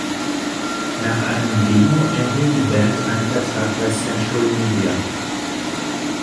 Nach einem Demo erhielt die Band einen Vertrag bei Century Media.